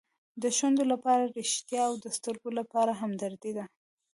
د شونډو لپاره ریښتیا او د سترګو لپاره همدردي ده.